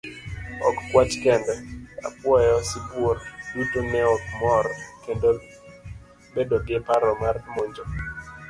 Ok kwach kende, apuoyo, sibuor, duto neok mor, kendo bedo gi paro mar monjo.